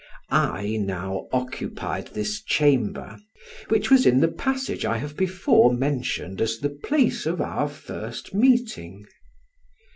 I now occupied this chamber, which was in the passage I have before mentioned as the place of our first meeting.